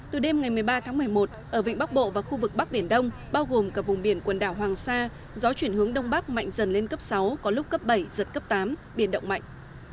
từ đêm ngày một mươi ba tháng một mươi một ở vịnh bắc bộ và khu vực bắc biển đông bao gồm cả vùng biển quần đảo hoàng sa gió chuyển hướng đông bắc mạnh dần lên cấp sáu có lúc cấp bảy giật cấp tám biển động mạnh